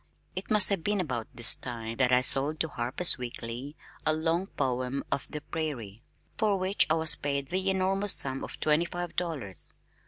It must have been about this time that I sold to Harper's Weekly a long poem of the prairie, for which I was paid the enormous sum of twenty five dollars.